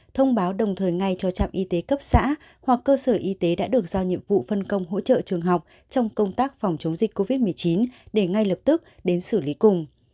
thông báo đồng thời ngay cho trạm y tế cấp xã hoặc cơ sở y tế đã được giao nhiệm vụ phân công hỗ trợ trường học trong công tác phòng chống dịch covid một mươi chín để ngay lập tức đến xử lý cùng